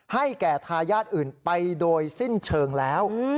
ให้แก่ทายาทอื่นไปโดยสิ้นเชิงแล้ว